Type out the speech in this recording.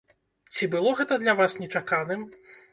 Ці было гэта для вас нечаканым?